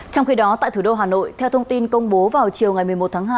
trong khi đó tại thủ đô hà nội theo thông tin công bố vào chiều ngày một mươi một tháng hai